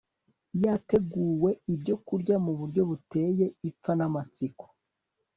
yateguwe ibyokurya mu buryo buteye ipfa namatsiko …